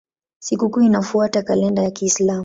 Sikukuu inafuata kalenda ya Kiislamu.